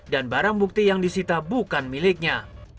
dan barang bukti yang disita bukan miliknya